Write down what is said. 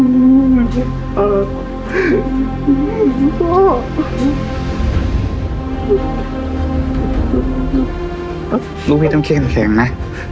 ลูกพี่ต้องเครียดแข็งแข็งนะ